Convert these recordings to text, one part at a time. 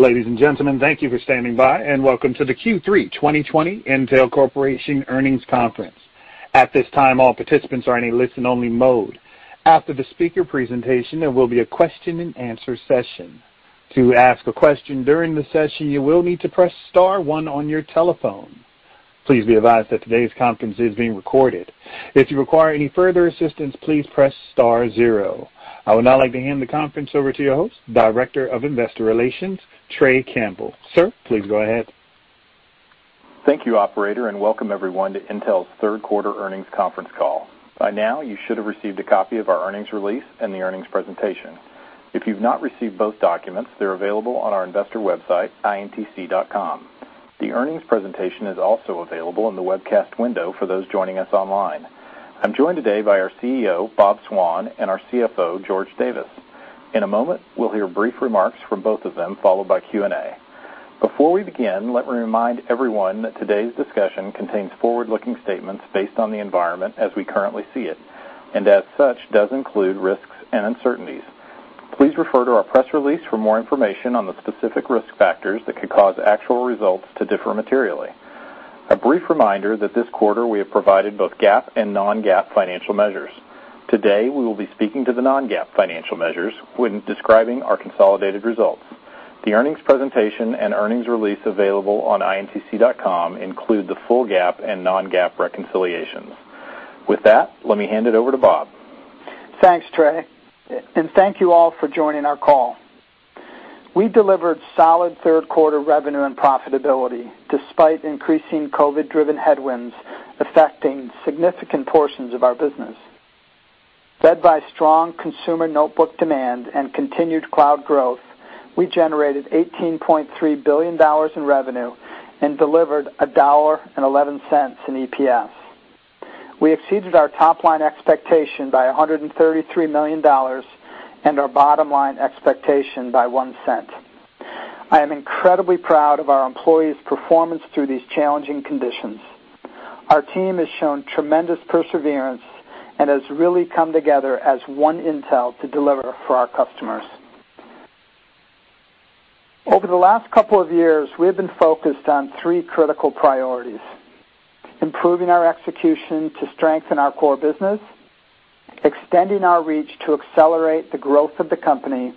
Ladies and gentlemen, thank you for standing by, and welcome to the Q3 2020 Intel Corporation Earnings Conference. Please be advised that today's conference is being recorded. I would now like to hand the conference over to your host, Director of Investor Relations, Trey Campbell. Sir, please go ahead. Thank you, operator, and welcome everyone to Intel's third quarter earnings conference call. By now, you should have received a copy of our earnings release and the earnings presentation. If you've not received both documents, they're available on our investor website, intc.com. The earnings presentation is also available in the webcast window for those joining us online. I'm joined today by our CEO, Bob Swan, and our CFO, George Davis. In a moment, we'll hear brief remarks from both of them, followed by Q&A. Before we begin, let me remind everyone that today's discussion contains forward-looking statements based on the environment as we currently see it, and as such, does include risks and uncertainties. Please refer to our press release for more information on the specific risk factors that could cause actual results to differ materially. A brief reminder that this quarter we have provided both GAAP and non-GAAP financial measures. Today, we will be speaking to the non-GAAP financial measures when describing our consolidated results. The earnings presentation and earnings release available on intc.com include the full GAAP and non-GAAP reconciliations. With that, let me hand it over to Bob. Thanks, Trey, and thank you all for joining our call. We delivered solid third quarter revenue and profitability despite increasing COVID-driven headwinds affecting significant portions of our business. Led by strong consumer notebook demand and continued cloud growth, we generated $18.3 billion in revenue and delivered $1.11 in EPS. We exceeded our top-line expectation by $133 million and our bottom-line expectation by $0.01. I am incredibly proud of our employees' performance through these challenging conditions. Our team has shown tremendous perseverance and has really come together as "One Intel" to deliver for our customers. Over the last couple of years, we have been focused on three critical priorities: improving our execution to strengthen our core business, extending our reach to accelerate the growth of the company,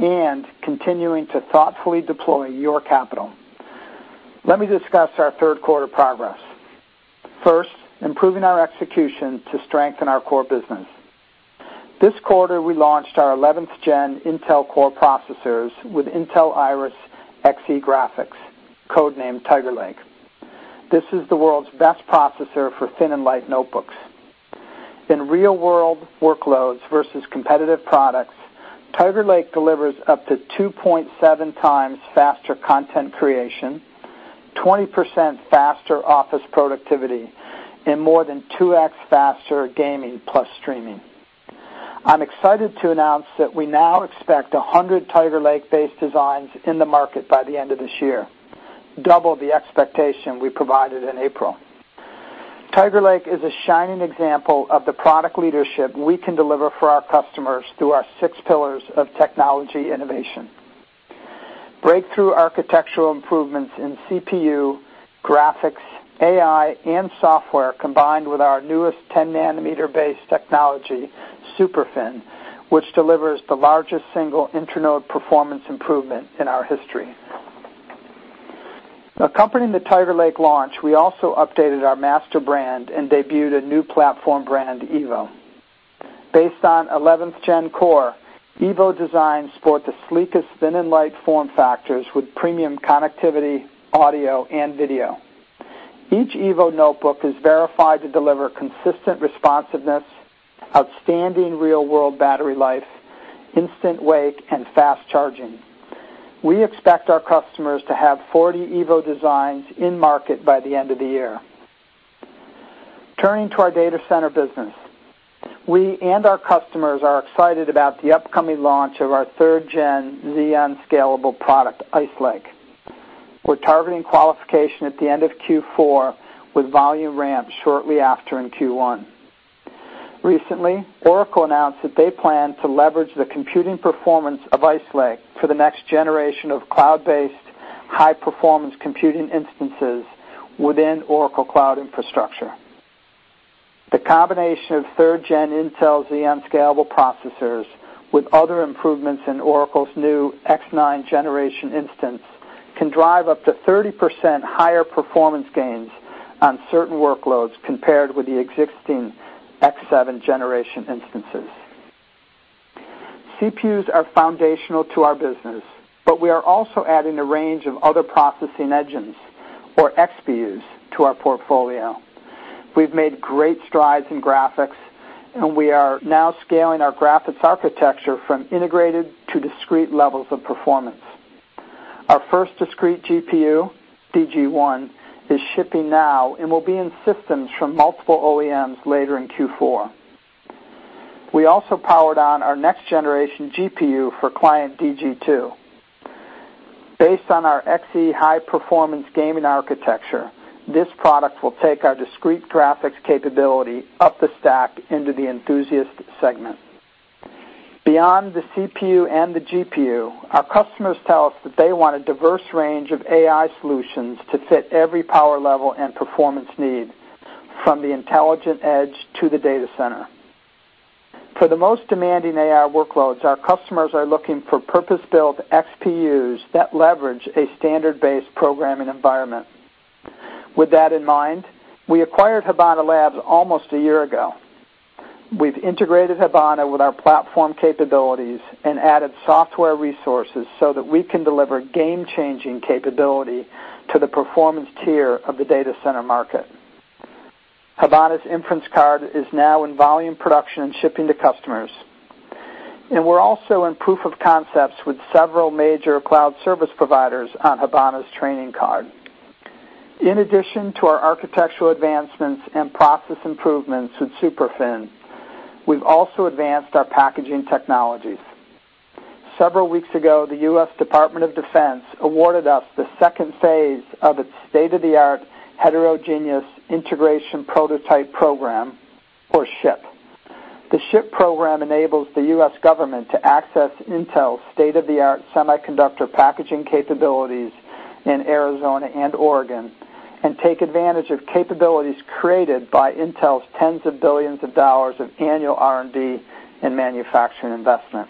and continuing to thoughtfully deploy your capital. Let me discuss our third quarter progress. First, improving our execution to strengthen our core business. This quarter, we launched our 11th Gen Intel Core processors with Intel Iris Xe graphics, codenamed Tiger Lake. This is the world's best processor for thin and light notebooks. In real-world workloads versus competitive products, Tiger Lake delivers up to 2.7x faster content creation, 20% faster office productivity, and more than 2x faster gaming plus streaming. I'm excited to announce that we now expect 100 Tiger Lake-based designs in the market by the end of this year, double the expectation we provided in April. Tiger Lake is a shining example of the product leadership we can deliver for our customers through our six pillars of technology innovation. Breakthrough architectural improvements in CPU, graphics, AI, and software, combined with our newest 10 nm-based technology, SuperFin, which delivers the largest single intra-node performance improvement in our history. Accompanying the Tiger Lake launch, we also updated our master brand and debuted a new platform brand, Evo. Based on 11th Gen Core, Evo designs sport the sleekest thin and light form factors with premium connectivity, audio, and video. Each Evo notebook is verified to deliver consistent responsiveness, outstanding real-world battery life, instant wake, and fast charging. We expect our customers to have 40 Evo designs in market by the end of the year. Turning to our data center business. We and our customers are excited about the upcoming launch of our 3rd Gen Xeon Scalable product, Ice Lake. We're targeting qualification at the end of Q4, with volume ramp shortly after in Q1. Recently, Oracle announced that they plan to leverage the computing performance of Ice Lake for the next generation of cloud-based high-performance computing instances within Oracle Cloud Infrastructure. The combination of 3rd Gen Intel Xeon Scalable processors with other improvements in Oracle's new X9 generation instance can drive up to 30% higher performance gains on certain workloads compared with the existing X7 generation instances. We are also adding a range of other processing engines, or xPUs, to our portfolio. We've made great strides in graphics, we are now scaling our graphics architecture from integrated to discrete levels of performance. Our first discrete GPU, DG1, is shipping now and will be in systems from multiple OEMs later in Q4. We also powered on our next-generation GPU for client DG2. Based on our Xe high-performance gaming architecture, this product will take our discrete graphics capability up the stack into the enthusiast segment. Beyond the CPU and the GPU, our customers tell us that they want a diverse range of AI solutions to fit every power level and performance need, from the intelligent edge to the data center. For the most demanding AI workloads, our customers are looking for purpose-built xPUs that leverage a standard-based programming environment. With that in mind, we acquired Habana Labs almost a year ago. We've integrated Habana with our platform capabilities and added software resources so that we can deliver game-changing capability to the performance tier of the data center market. Habana's inference card is now in volume production and shipping to customers. We're also in proof of concepts with several major cloud service providers on Habana's training card. In addition to our architectural advancements and process improvements with SuperFin, we've also advanced our packaging technologies. Several weeks ago, the US Department of Defense awarded us the phase II of its State-of-the-Art Heterogeneous Integrated Packaging program, or SHIP. The SHIP program enables the U.S. government to access Intel state-of-the-art semiconductor packaging capabilities in Arizona and Oregon and take advantage of capabilities created by Intel's tens of billions of dollars of annual R&D and manufacturing investment.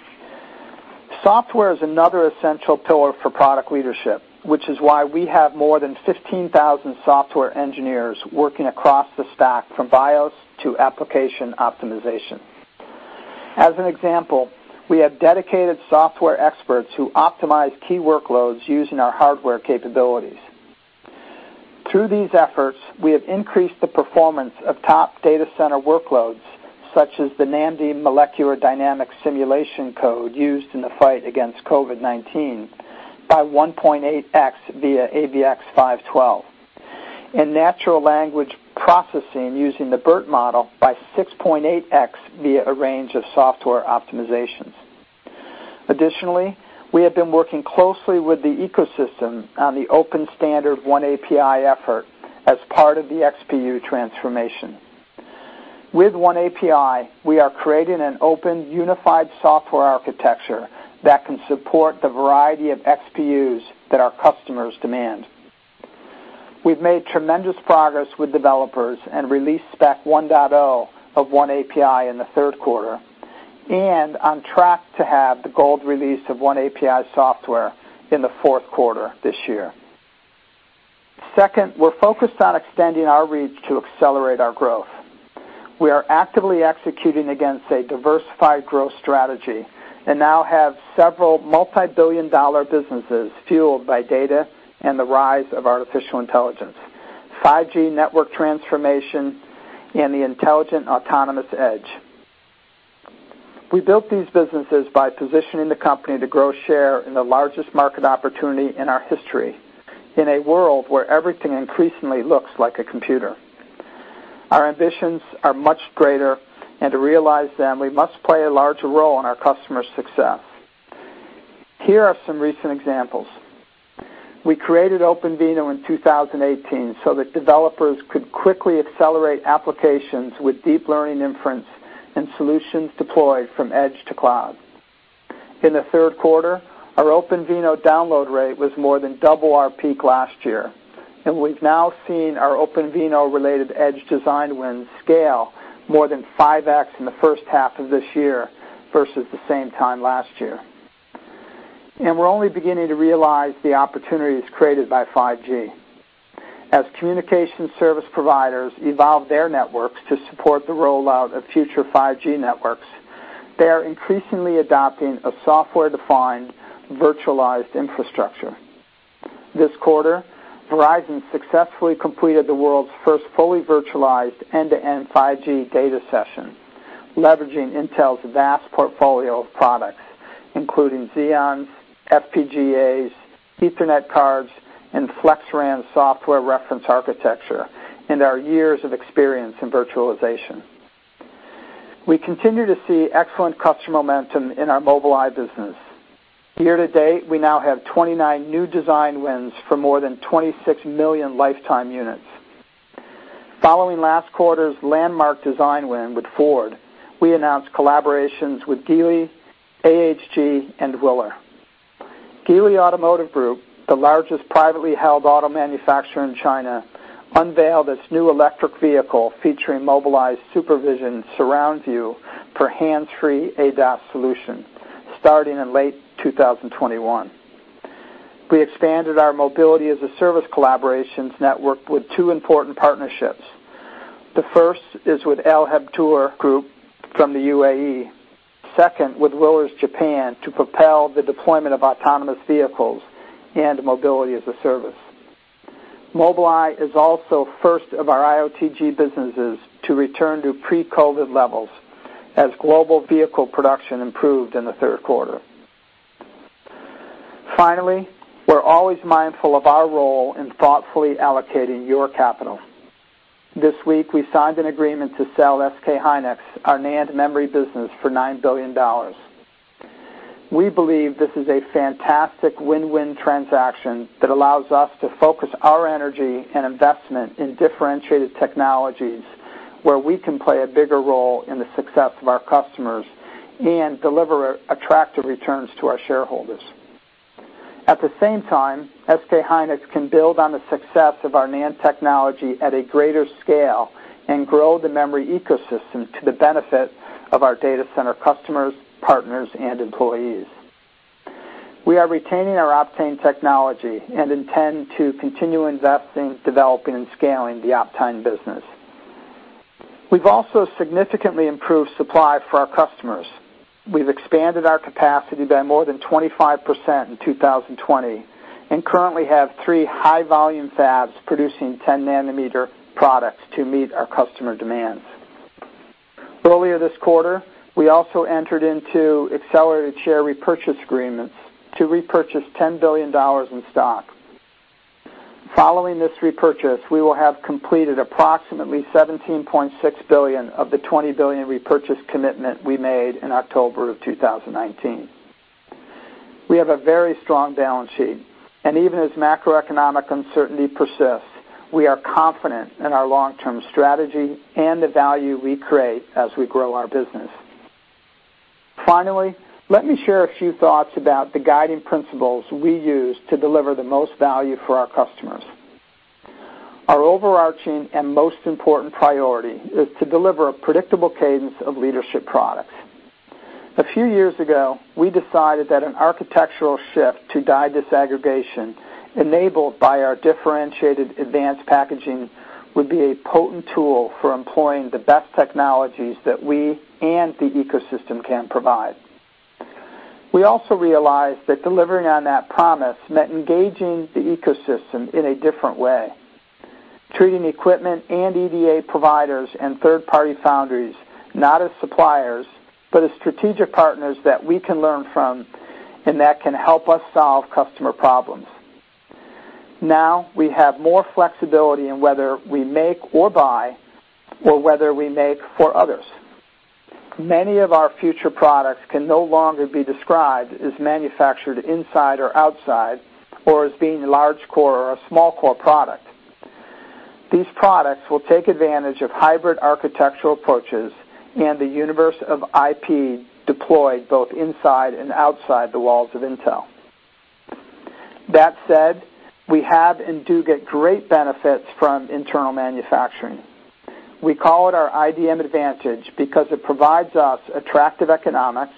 Software is another essential pillar for product leadership, which is why we have more than 15,000 software engineers working across the stack, from BIOS to application optimization. As an example, we have dedicated software experts who optimize key workloads using our hardware capabilities. Through these efforts, we have increased the performance of top data center workloads, such as the NAMD molecular dynamics simulation code used in the fight against COVID-19, by 1.8x via AVX-512. In natural language processing, using the BERT model by 6.8x via a range of software optimizations. Additionally, we have been working closely with the ecosystem on the open standard oneAPI effort as part of the xPU transformation. With oneAPI, we are creating an open, unified software architecture that can support the variety of xPUs that our customers demand. We've made tremendous progress with developers and released spec 1.0 of oneAPI in the third quarter, and on track to have the gold release of oneAPI software in the fourth quarter this year. We're focused on extending our reach to accelerate our growth. We are actively executing against a diversified growth strategy and now have several multibillion-dollar businesses fueled by data and the rise of artificial intelligence, 5G network transformation, and the intelligent autonomous edge. We built these businesses by positioning the company to grow share in the largest market opportunity in our history, in a world where everything increasingly looks like a computer. Our ambitions are much greater, and to realize them, we must play a larger role in our customers' success. Here are some recent examples. We created OpenVINO in 2018 so that developers could quickly accelerate applications with deep learning inference and solutions deployed from edge to cloud. In the third quarter, our OpenVINO download rate was more than double our peak last year, and we've now seen our OpenVINO-related edge design win scale more than 5x in the first half of this year versus the same time last year. We're only beginning to realize the opportunities created by 5G. As communication service providers evolve their networks to support the rollout of future 5G networks, they are increasingly adopting a software-defined virtualized infrastructure. This quarter, Verizon successfully completed the world's first fully virtualized end-to-end 5G data session, leveraging Intel's vast portfolio of products, including Xeons, FPGAs, Ethernet cards, and FlexRAN Software Reference Architecture, and our years of experience in virtualization. We continue to see excellent customer momentum in our Mobileye business. Year to date, we now have 29 new design wins for more than 26 million lifetime units. Following last quarter's landmark design win with Ford, we announced collaborations with Geely, AHG, and WILLER. Geely Automotive Group, the largest privately held auto manufacturer in China, unveiled its new electric vehicle featuring Mobileye SuperVision surround view for hands-free ADAS solution starting in late 2021. We expanded our mobility as a service collaborations network with two important partnerships. The first is with Al Habtoor Group from the UAE. Second, with WILLER Japan to propel the deployment of autonomous vehicles and mobility as a service. Mobileye is also first of our IOTG businesses to return to pre-COVID levels as global vehicle production improved in the third quarter. Finally, we're always mindful of our role in thoughtfully allocating your capital. This week, we signed an agreement to sell SK hynix our NAND memory business for $9 billion. We believe this is a fantastic win-win transaction that allows us to focus our energy and investment in differentiated technologies, where we can play a bigger role in the success of our customers and deliver attractive returns to our shareholders. At the same time, SK hynix can build on the success of our NAND technology at a greater scale and grow the memory ecosystem to the benefit of our data center customers, partners, and employees. We are retaining our Optane technology and intend to continue investing, developing, and scaling the Optane business. We've also significantly improved supply for our customers. We've expanded our capacity by more than 25% in 2020 and currently have three high-volume fabs producing 10 nm products to meet our customer demands. Earlier this quarter, we also entered into accelerated share repurchase agreements to repurchase $10 billion in stock. Following this repurchase, we will have completed approximately $17.6 billion of the $20 billion repurchase commitment we made in October of 2019. We have a very strong balance sheet, and even as macroeconomic uncertainty persists, we are confident in our long-term strategy and the value we create as we grow our business. Finally, let me share a few thoughts about the guiding principles we use to deliver the most value for our customers. Our overarching and most important priority is to deliver a predictable cadence of leadership products. A few years ago, we decided that an architectural shift to die disaggregation, enabled by our differentiated advanced packaging, would be a potent tool for employing the best technologies that we and the ecosystem can provide. We also realized that delivering on that promise meant engaging the ecosystem in a different way, treating equipment and EDA providers and third-party foundries not as suppliers but as strategic partners that we can learn from and that can help us solve customer problems. We have more flexibility in whether we make or buy or whether we make for others. Many of our future products can no longer be described as manufactured inside or outside, or as being a large-core or a small-core product. These products will take advantage of hybrid architectural approaches and the universe of IP deployed both inside and outside the walls of Intel. That said, we have and do get great benefits from internal manufacturing. We call it our IDM advantage because it provides us attractive economics,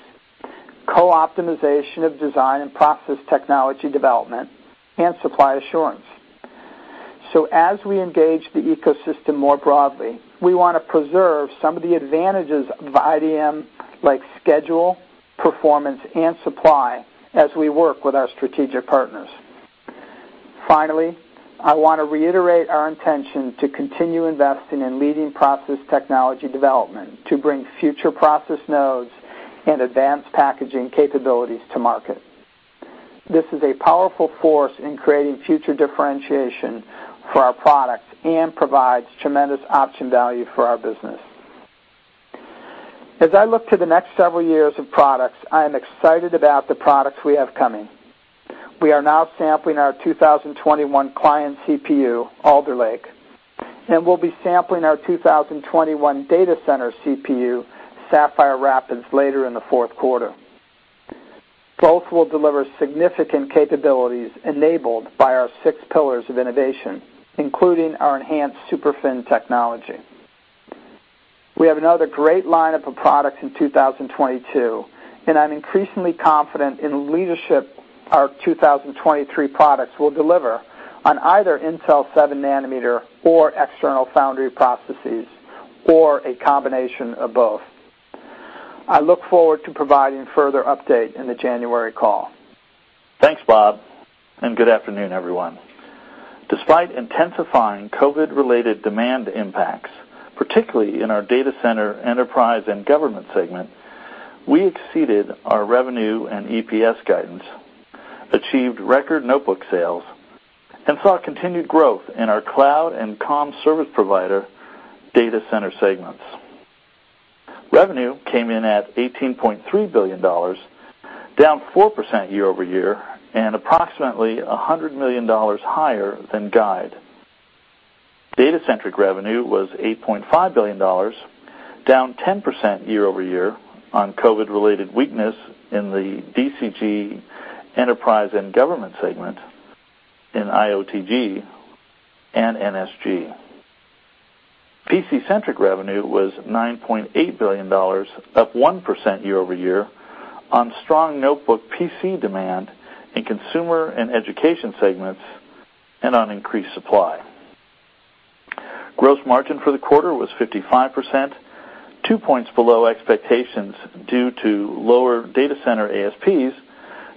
co-optimization of design and process technology development, and supply assurance. As we engage the ecosystem more broadly, we want to preserve some of the advantages of IDM, like schedule, performance, and supply, as we work with our strategic partners. Finally, I want to reiterate our intention to continue investing in leading process technology development to bring future process nodes and advanced packaging capabilities to market. This is a powerful force in creating future differentiation for our products and provides tremendous option value for our business. As I look to the next several years of products, I am excited about the products we have coming. We are now sampling our 2021 client CPU, Alder Lake, and we'll be sampling our 2021 data center CPU, Sapphire Rapids, later in the fourth quarter. Both will deliver significant capabilities enabled by our six pillars of innovation, including our enhanced SuperFin technology. We have another great lineup of products in 2022, and I'm increasingly confident in the leadership our 2023 products will deliver on either Intel 7 nm or external foundry processes or a combination of both. I look forward to providing further update in the January call. Thanks, Bob. Good afternoon, everyone. Despite intensifying COVID-related demand impacts, particularly in our data center, enterprise, and government segment, we exceeded our revenue and EPS guidance, achieved record notebook sales, and saw continued growth in our cloud and comm service provider data center segments. Revenue came in at $18.3 billion, down 4% year-over-year and approximately $100 million higher than guide. Data-centric revenue was $8.5 billion, down 10% year-over-year on COVID-related weakness in the DCG enterprise and government segment in IOTG and NSG. PC-centric revenue was $9.8 billion, up 1% year-over-year on strong notebook PC demand in consumer and education segments and on increased supply. Gross margin for the quarter was 55%, two points below expectations due to lower data center ASPs,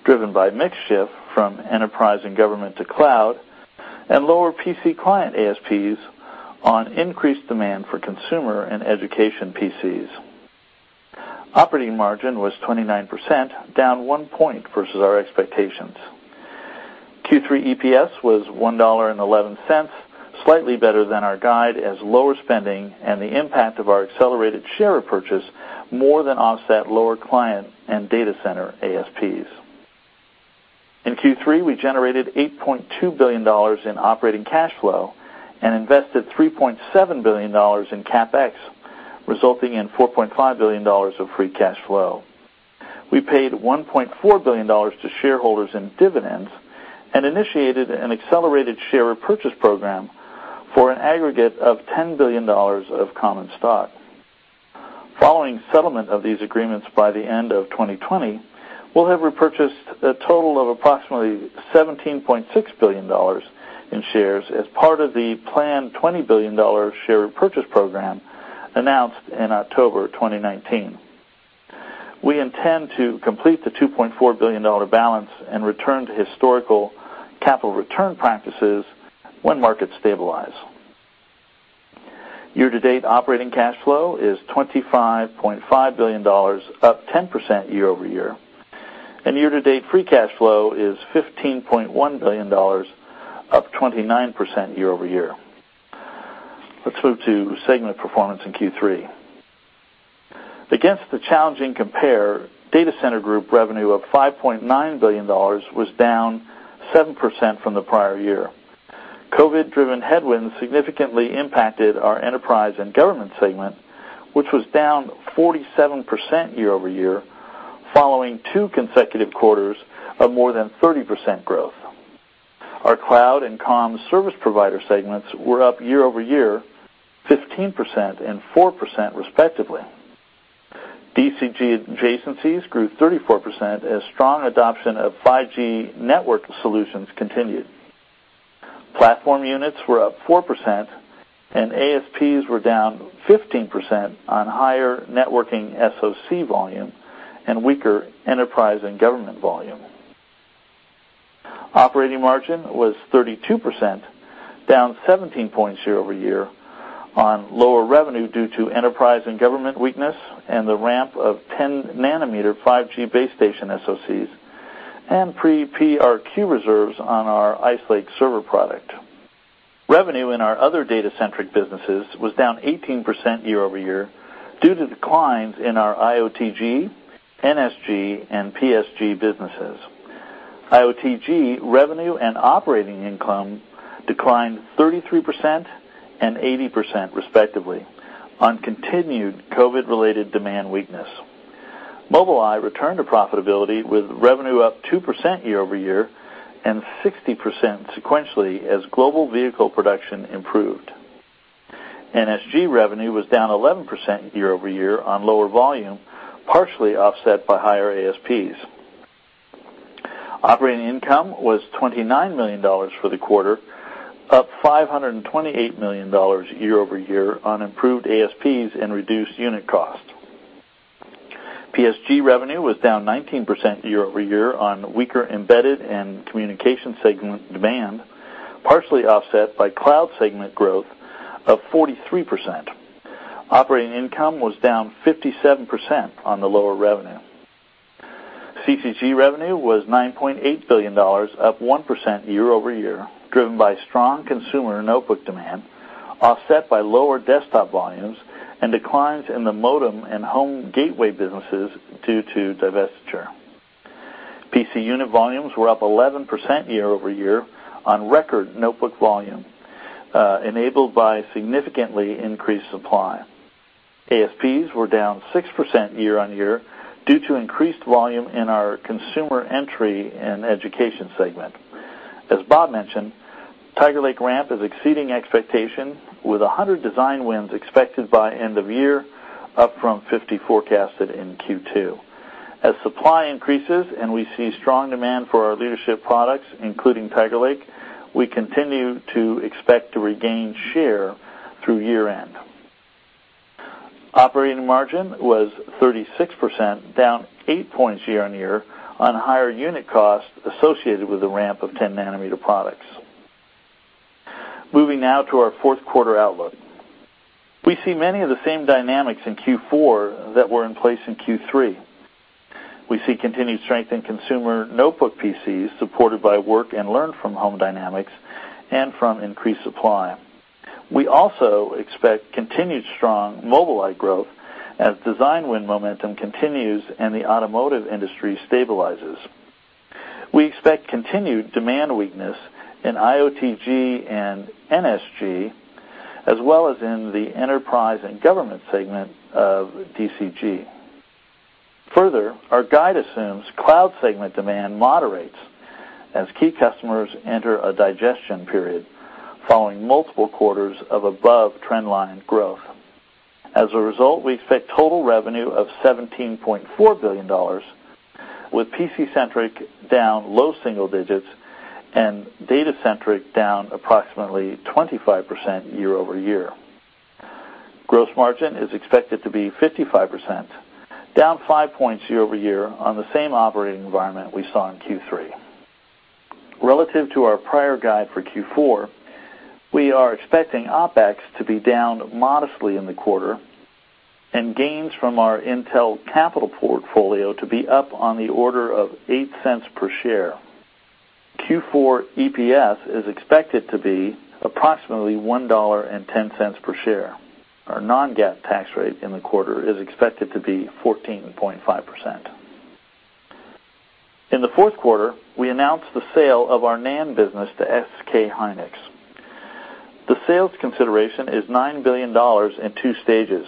driven by mix shift from enterprise and government to cloud, and lower PC client ASPs on increased demand for consumer and education PCs. Operating margin was 29%, down one point versus our expectations. Q3 EPS was $1.11, slightly better than our guide as lower spending and the impact of our accelerated share purchase more than offset lower client and data center ASPs. In Q3, we generated $8.2 billion in operating cash flow and invested $3.7 billion in CapEx, resulting in $4.5 billion of free cash flow. We paid $1.4 billion to shareholders in dividends and initiated an accelerated share purchase program for an aggregate of $10 billion of common stock. Following settlement of these agreements by the end of 2020, we'll have repurchased a total of approximately $17.6 billion in shares as part of the planned $20 billion share repurchase program announced in October 2019. We intend to complete the $2.4 billion balance and return to historical capital return practices when markets stabilize. Year-to-date operating cash flow is $25.5 billion, up 10% year-over-year. Year-to-date free cash flow is $15.1 billion, up 29% year-over-year. Let's move to segment performance in Q3. Against the challenging compare, Data Center Group revenue of $5.9 billion was down 7% from the prior year. COVID-driven headwinds significantly impacted our enterprise and government segment, which was down 47% year-over-year, following two consecutive quarters of more than 30% growth. Our cloud and comm service provider segments were up year-over-year 15% and 4% respectively. DCG adjacencies grew 34% as strong adoption of 5G network solutions continued. Platform units were up 4%, and ASPs were down 15% on higher networking SoC volume and weaker enterprise and government volume. Operating margin was 32%, down 17 points year-over-year on lower revenue due to enterprise and government weakness, and the ramp of 10 nm 5G base station SoCs, and pre-PRQ reserves on our Ice Lake server product. Revenue in our other data-centric businesses was down 18% year-over-year due to declines in our IOTG, NSG, and PSG businesses. IOTG revenue and operating income declined 33% and 80% respectively on continued COVID-related demand weakness. Mobileye returned to profitability with revenue up 2% year-over-year and 60% sequentially as global vehicle production improved. NSG revenue was down 11% year-over-year on lower volume, partially offset by higher ASPs. Operating income was $29 million for the quarter, up $528 million year-over-year on improved ASPs and reduced unit costs. PSG revenue was down 19% year-over-year on weaker embedded and communication segment demand, partially offset by cloud segment growth of 43%. Operating income was down 57% on the lower revenue. CCG revenue was $9.8 billion, up 1% year-over-year, driven by strong consumer notebook demand, offset by lower desktop volumes and declines in the modem and home gateway businesses due to divestiture. PC unit volumes were up 11% year-over-year on record notebook volume, enabled by significantly increased supply. ASPs were down 6% year-on-year due to increased volume in our consumer entry and education segment. As Bob mentioned, Tiger Lake ramp is exceeding expectation with 100 design wins expected by end of year, up from 50 forecasted in Q2. As supply increases and we see strong demand for our leadership products, including Tiger Lake, we continue to expect to regain share through year end. Operating margin was 36%, down 8 points year-over-year on higher unit costs associated with the ramp of 10 nm products. Moving now to our fourth quarter outlook. We see many of the same dynamics in Q4 that were in place in Q3. We see continued strength in consumer notebook PCs supported by work and learn from home dynamics and from increased supply. We also expect continued strong Mobileye growth as design win momentum continues and the automotive industry stabilizes. We expect continued demand weakness in IOTG and NSG, as well as in the enterprise and government segment of DCG. Our guide assumes cloud segment demand moderates as key customers enter a digestion period following multiple quarters of above trendline growth. As a result, we expect total revenue of $17.4 billion, with PC-centric down low single digits and data-centric down approximately 25% year-over-year. Gross margin is expected to be 55%, down 5 points year-over-year on the same operating environment we saw in Q3. Relative to our prior guide for Q4, we are expecting OpEx to be down modestly in the quarter, and gains from our Intel Capital portfolio to be up on the order of $0.08 per share. Q4 EPS is expected to be approximately $1.10 per share. Our non-GAAP tax rate in the quarter is expected to be 14.5%. In the fourth quarter, we announced the sale of our NAND business to SK hynix. The sales consideration is $9 billion in two stages.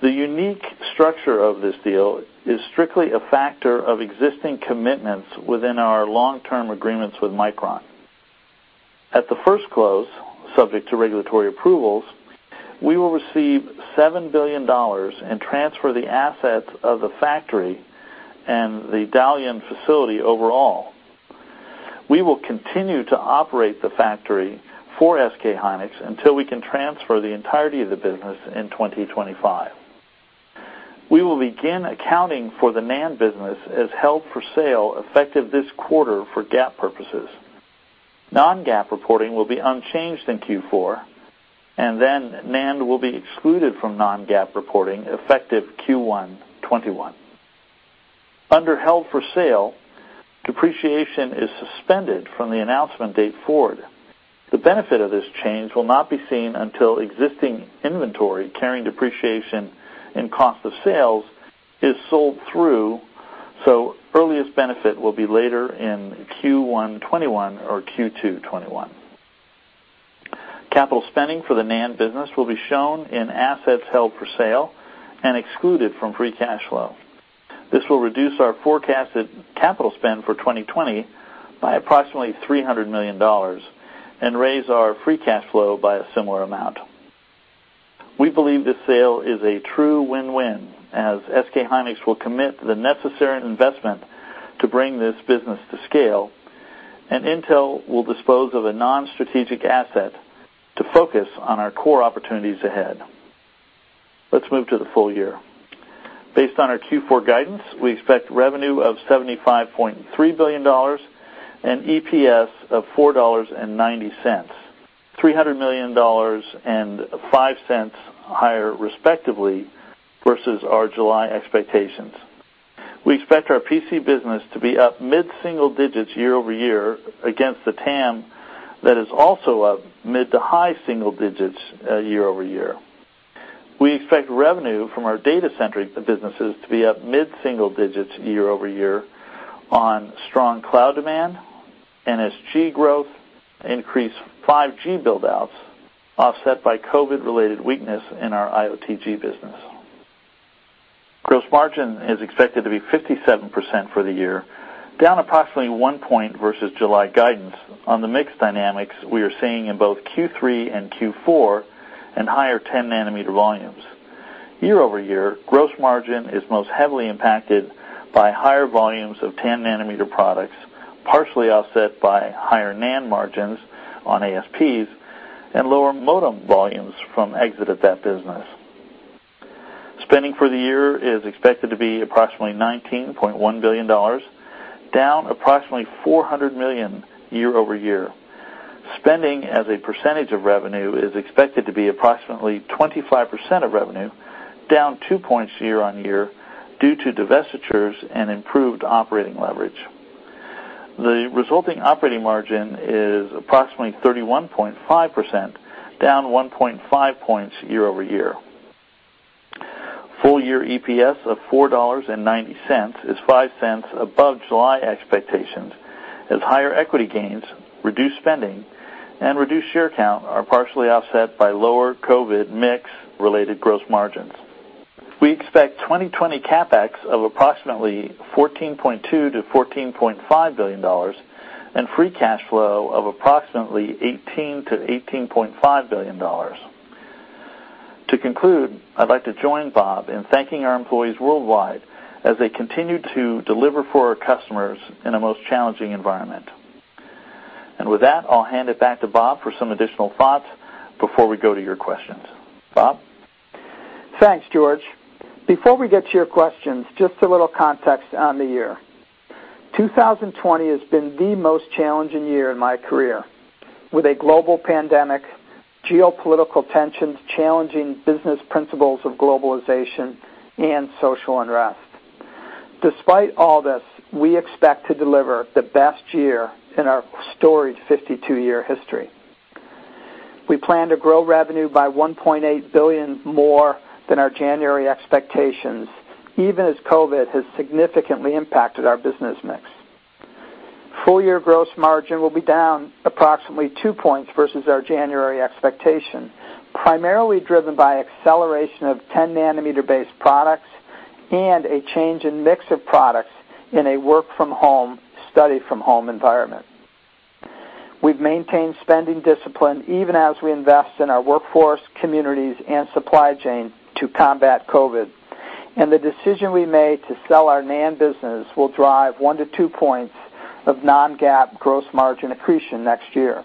The unique structure of this deal is strictly a factor of existing commitments within our long-term agreements with Micron. At the first close, subject to regulatory approvals, we will receive $7 billion and transfer the assets of the factory and the Dalian facility overall. We will continue to operate the factory for SK hynix until we can transfer the entirety of the business in 2025. We will begin accounting for the NAND business as held for sale effective this quarter for GAAP purposes. Non-GAAP reporting will be unchanged in Q4. NAND will be excluded from non-GAAP reporting effective Q1 2021. Under held for sale, depreciation is suspended from the announcement date forward. The benefit of this change will not be seen until existing inventory carrying depreciation and cost of sales is sold through, so earliest benefit will be later in Q1 2021 or Q2 2021. Capital spending for the NAND business will be shown in assets held for sale and excluded from free cash flow. This will reduce our forecasted capital spend for 2020 by approximately $300 million and raise our free cash flow by a similar amount. We believe this sale is a true win-win, as SK hynix will commit the necessary investment to bring this business to scale, and Intel will dispose of a non-strategic asset to focus on our core opportunities ahead. Let's move to the full year. Based on our Q4 guidance, we expect revenue of $75.3 billion and EPS of $4.90, $300 million and $0.05 higher respectively versus our July expectations. We expect our PC business to be up mid-single digits year-over-year against the TAM that is also up mid to high single digits year-over-year. We expect revenue from our data center businesses to be up mid-single digits year-over-year on strong cloud demand, NSG growth, increased 5G build-outs offset by COVID-related weakness in our IOTG business. Gross margin is expected to be 57% for the year, down approximately 1 point versus July guidance on the mix dynamics we are seeing in both Q3 and Q4 and higher 10 nm volumes. Year-over-year, gross margin is most heavily impacted by higher volumes of 10 nm products, partially offset by higher NAND margins on ASPs and lower modem volumes from exit of that business. Spending for the year is expected to be approximately $19.1 billion, down approximately $400 million year-over-year. Spending as a percentage of revenue is expected to be approximately 25% of revenue, down 2 points year-on-year due to divestitures and improved operating leverage. The resulting operating margin is approximately 31.5%, down 1.5 points year-over-year. Full year EPS of $4.90 is $0.05 above July expectations, as higher equity gains, reduced spending, and reduced share count are partially offset by lower COVID mix-related gross margins. We expect 2020 CapEx of approximately $14.2 billion-$14.5 billion and free cash flow of approximately $18 billion-$18.5 billion. To conclude, I'd like to join Bob in thanking our employees worldwide as they continue to deliver for our customers in a most challenging environment. With that, I'll hand it back to Bob for some additional thoughts before we go to your questions. Bob? Thanks, George. Before we get to your questions, just a little context on the year. 2020 has been the most challenging year in my career, with a global pandemic, geopolitical tensions, challenging business principles of globalization, and social unrest. Despite all this, we expect to deliver the best year in our storied 52-year history. We plan to grow revenue by $1.8 billion more than our January expectations, even as COVID has significantly impacted our business mix. Full year gross margin will be down approximately two points versus our January expectation, primarily driven by acceleration of 10 nm-based products and a change in mix of products in a work from home, study from home environment. We've maintained spending discipline even as we invest in our workforce, communities, and supply chain to combat COVID, and the decision we made to sell our NAND business will drive 1 point-2 points of non-GAAP gross margin accretion next year.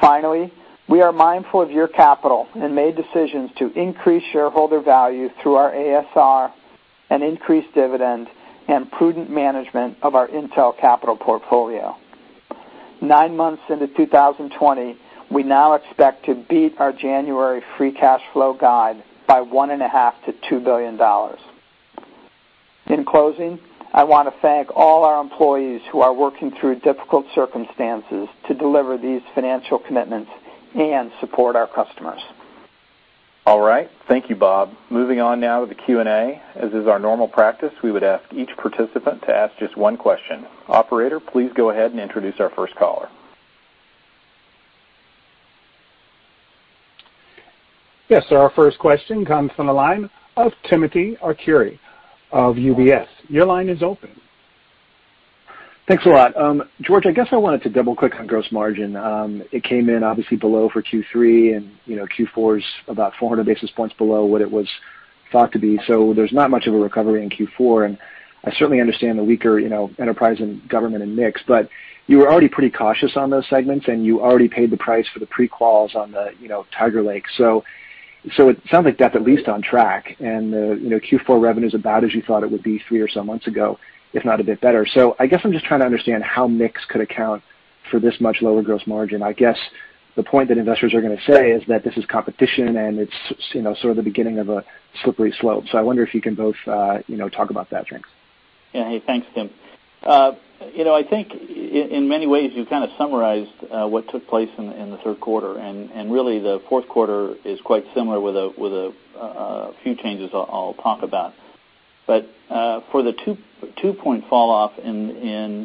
Finally, we are mindful of your capital and made decisions to increase shareholder value through our ASR, an increased dividend, and prudent management of our Intel Capital portfolio. Nine months into 2020, we now expect to beat our January free cash flow guide by $1.5 billion-$2 billion. In closing, I want to thank all our employees who are working through difficult circumstances to deliver these financial commitments and support our customers. All right. Thank you, Bob. Moving on now to the Q&A. As is our normal practice, we would ask each participant to ask just one question. Operator, please go ahead and introduce our first caller. Yes, sir. Our first question comes from the line of Timothy Arcuri of UBS. Your line is open. Thanks a lot. George, I guess I wanted to double-click on gross margin. It came in obviously below for Q3, and Q4's about 400 basis points below what it was thought to be. There's not much of a recovery in Q4, and I certainly understand the weaker enterprise and government and mix, but you were already pretty cautious on those segments, and you already paid the price for the pre-quals on the Tiger Lake. It sounds like that's at least on track, and Q4 revenue's about as you thought it would be three or so months ago, if not a bit better. I guess I'm just trying to understand how mix could account for this much lower gross margin. I guess the point that investors are going to say is that this is competition and it's sort of the beginning of a slippery slope. I wonder if you can both talk about that. Thanks. Yeah. Hey, thanks, Tim. I think in many ways you've kind of summarized what took place in the third quarter, and really the fourth quarter is quite similar with a few changes I'll talk about. For the 2-point fall off in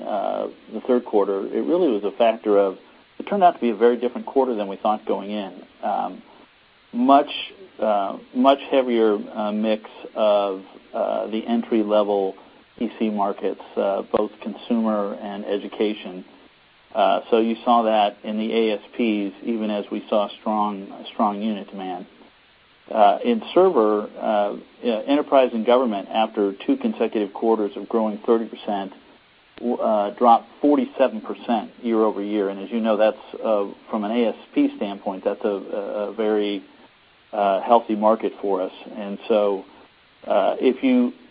the third quarter, it really was a factor of it turned out to be a very different quarter than we thought going in. Much heavier mix of the entry-level PC markets, both consumer and education. You saw that in the ASPs, even as we saw strong unit demand. In server, enterprise and government, after two consecutive quarters of growing 30%, dropped 47% year-over-year. As you know, from an ASP standpoint, that's a very healthy market for us.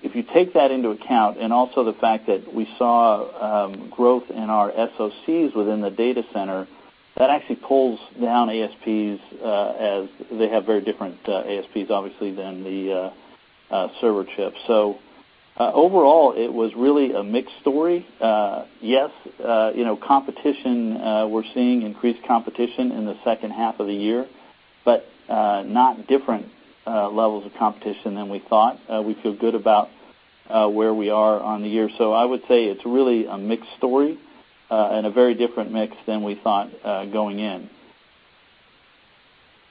If you take that into account and also the fact that we saw growth in our SoCs within the data center, that actually pulls down ASPs, as they have very different ASPs, obviously, than the server chips. Overall, it was really a mixed story. Yes, we're seeing increased competition in the second half of the year, but not different levels of competition than we thought. We feel good about where we are on the year. I would say it's really a mixed story, and a very different mix than we thought going in.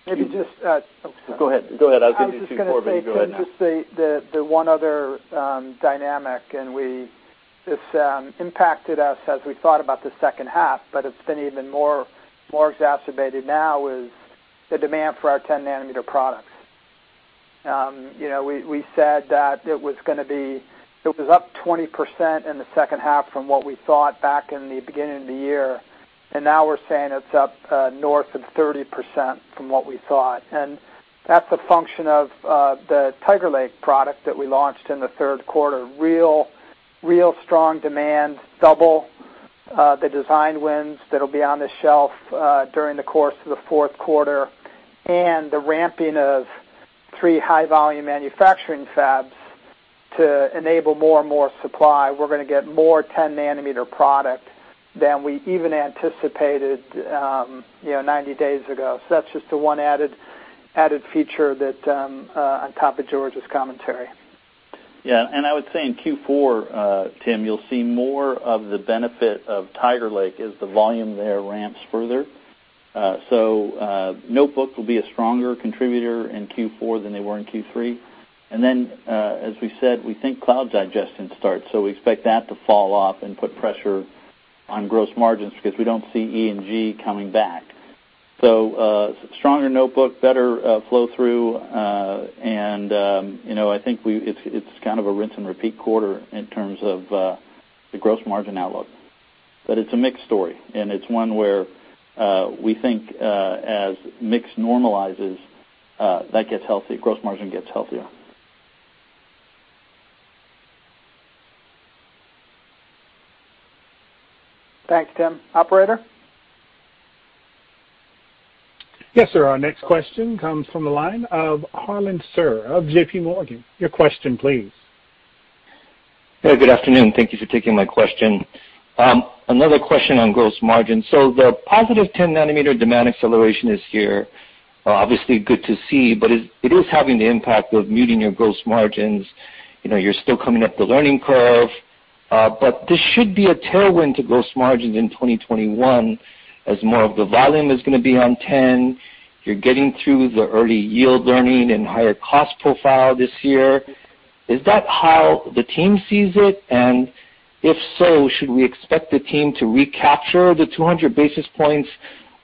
Maybe just- Go ahead. I was just going to say- You go ahead now. just the one other dynamic, and it's impacted us as we thought about the second half, but it's been even more exacerbated now, is the demand for our 10 nm products. We said that it was up 20% in the second half from what we thought back in the beginning of the year, and now we're saying it's up north of 30% from what we thought. That's a function of the Tiger Lake product that we launched in the third quarter. Real strong demand, double the design wins that'll be on the shelf during the course of the fourth quarter, and the ramping of three high-volume manufacturing fabs to enable more and more supply. We're going to get more 10 nm product than we even anticipated 90 days ago. That's just the one added feature on top of George's commentary. I would say in Q4, Tim, you'll see more of the benefit of Tiger Lake as the volume there ramps further. Notebook will be a stronger contributor in Q4 than they were in Q3. As we said, we think cloud digestion starts, we expect that to fall off and put pressure on gross margins because we don't see E&G coming back. Stronger notebook, better flow through, and I think it's kind of a rinse and repeat quarter in terms of the gross margin outlook. It's a mixed story, and it's one where we think, as mix normalizes, that gets healthy, gross margin gets healthier. Thanks, Tim. Operator? Yes, sir. Our next question comes from the line of Harlan Sur of JPMorgan. Your question, please. Hey, good afternoon. Thank you for taking my question. Another question on gross margin. The positive 10 nm demand acceleration is here, obviously good to see, but it is having the impact of muting your gross margins. You're still coming up the learning curve. This should be a tailwind to gross margins in 2021 as more of the volume is going to be on 10. You're getting through the early yield learning and higher cost profile this year. Is that how the team sees it? If so, should we expect the team to recapture the 200 basis points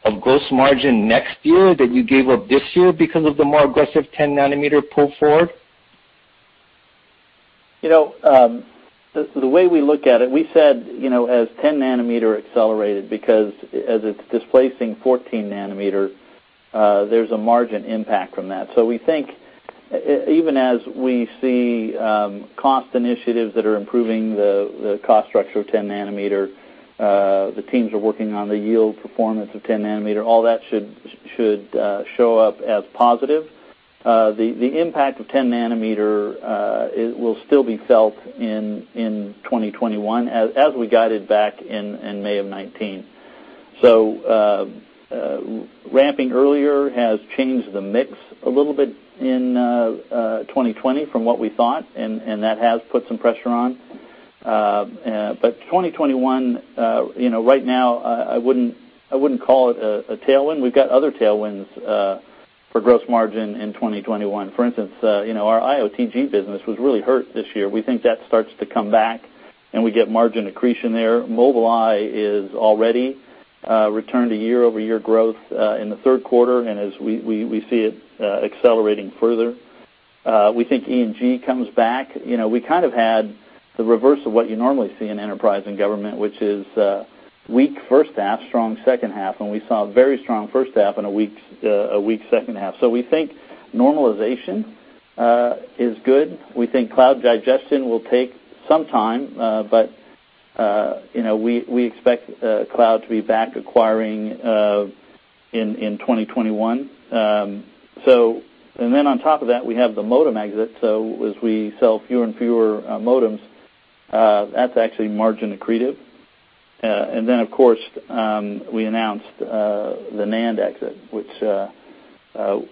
of gross margin next year that you gave up this year because of the more aggressive 10 nm pull forward? The way we look at it, we said, as 10 nm accelerated, because as it's displacing 14 nm, there's a margin impact from that. We think even as we see cost initiatives that are improving the cost structure of 10 nm, the teams are working on the yield performance of 10 nm, all that should show up as positive. The impact of 10 nm will still be felt in 2021 as we guided back in May of 2019. Ramping earlier has changed the mix a little bit in 2020 from what we thought, and that has put some pressure on. 2021, right now, I wouldn't call it a tailwind. We've got other tailwinds for gross margin in 2021. For instance, our IOTG business was really hurt this year. We think that starts to come back and we get margin accretion there. Mobileye is already returned to year-over-year growth in the third quarter, as we see it accelerating further. We think E&G comes back. We kind of had the reverse of what you normally see in enterprise and government, which is a weak first half, strong second half, we saw a very strong first half and a weak second half. We think normalization is good. We think cloud digestion will take some time, we expect cloud to be back acquiring in 2021. On top of that, we have the modem exit, as we sell fewer and fewer modems, that's actually margin accretive. Of course, we announced the NAND exit, which